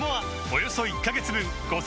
およそ１カ月分